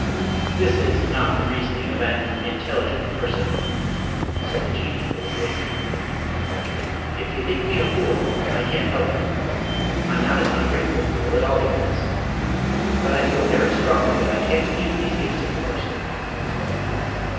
"This is not the reasoning of an intelligent person," said the Jinnee, coldly. "If you think me a fool, I can't help it. I'm not an ungrateful fool, at all events. But I feel very strongly that I can't keep these gifts of yours."